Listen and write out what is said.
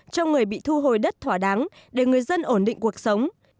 cho người bị thu hồi đất thỏa đáng để người dân ổn định cuộc sống